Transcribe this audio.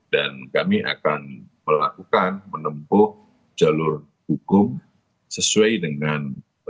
dan kami akan melakukan menempuh jalur hukum sesuai dengan